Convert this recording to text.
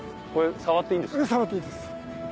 触っていいです。